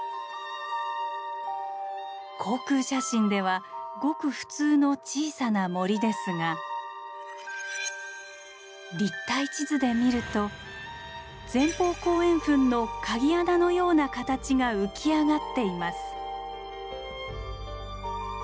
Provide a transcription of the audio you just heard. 航空写真ではごく普通の小さな森ですが立体地図で見ると前方後円墳の鍵穴のような形が浮き上がっています。